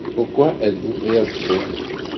Pourquoi êtes-vous préoccupé ?